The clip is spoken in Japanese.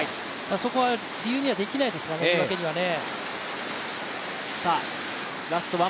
そこは理由にはできないですからね、言い訳にはね。